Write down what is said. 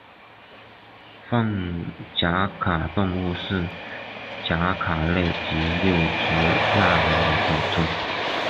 泛甲壳动物是甲壳类及六足亚门的总称。